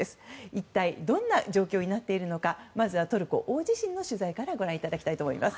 一体どんな状況になっているのかまずはトルコ大地震の取材からご覧いただきたいと思います。